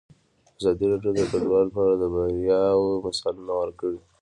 ازادي راډیو د کډوال په اړه د بریاوو مثالونه ورکړي.